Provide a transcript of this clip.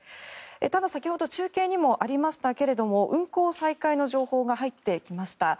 ただ、先ほど中継にもありましたけれども運行再開の情報が入ってきました。